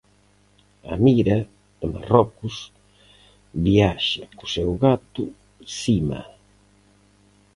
Amira, de Marrocos, viaxa co seu gato Sima.